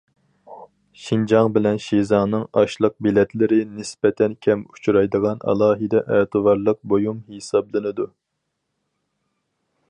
شىنجاڭ بىلەن شىزاڭنىڭ ئاشلىق بېلەتلىرى نىسبەتەن كەم ئۇچرايدىغان ئالاھىدە ئەتىۋارلىق بۇيۇم ھېسابلىنىدۇ.